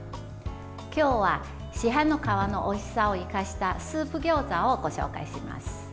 今日は市販の皮のおいしさを生かしたスープ餃子をご紹介します。